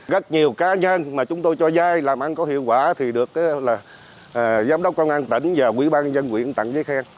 rất nhiều cá nhân mà chúng tôi cho dai làm ăn có hiệu quả thì được giám đốc công an tỉnh và quỹ ban dân quyền tặng giới khen